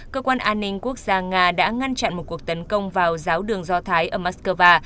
cơ quan an ninh quốc gia nga đã ngăn chặn một cuộc tấn công vào giáo đường do thái ở moscow